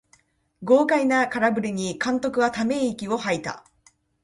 豪快な空振りに監督はため息をはいた